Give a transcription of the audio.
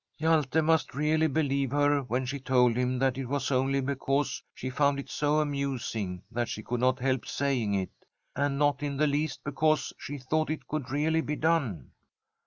* Hjalte must really believe her when she told him that it was only because she found it so amusing that she could not help saying it, and not in the least because she thought it could really be done.